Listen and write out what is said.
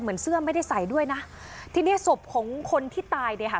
เหมือนเสื้อไม่ได้ใส่ด้วยนะทีเนี้ยศพของคนที่ตายเนี่ยค่ะ